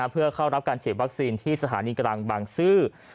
เพื่อเข้ารับการฉีดวัคซีนที่สถานีกลางบางซื่อ